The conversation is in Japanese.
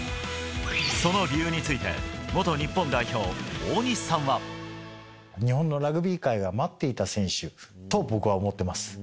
その理由について、元日本代表、日本のラグビー界が待っていた選手と、僕は思ってます。